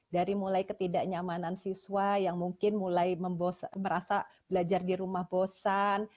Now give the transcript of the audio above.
dari mulai ketidaknyamanan siswa yang mungkin mulai merasa belajar di rumah bosan